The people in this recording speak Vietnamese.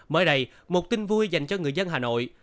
mới đây một tin vui dành cho người dân hà nội